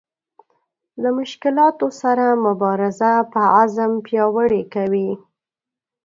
له مشکلاتو سره مبارزه په عزم پیاوړې کوي.